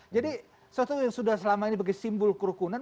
jadi sesuatu yang sudah selama ini sebagai simbol kerugunan